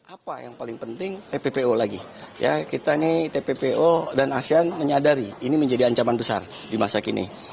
apa yang paling penting tppo lagi kita ini tppo dan asean menyadari ini menjadi ancaman besar di masa kini